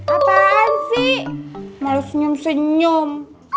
apaan sih mal senyum senyum